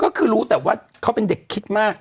ก็คือรู้แต่ว่าเขาเป็นเด็กคิดมาก